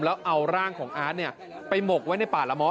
แล้วเอาร่างของอาร์ตไปหมกไว้ในป่าละม้อ